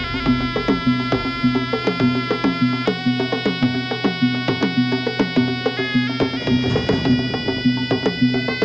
สวัสดีครับ